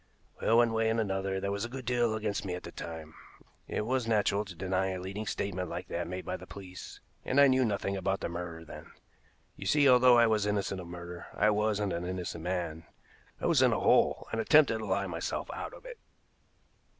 "Well, one way and another there was a good deal against me at the time. It was natural to deny a leading statement like that made by the police, and I knew nothing about the murder then. You see, although I was innocent of murder, I wasn't an innocent man. I was in a hole, and attempted to lie myself out of it."